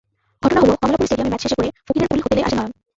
ঘটনা হলো, কমলাপুর স্টেডিয়ামে ম্যাচ শেষে করে ফকিরেরপুল হোটেলে আসেন নয়ন।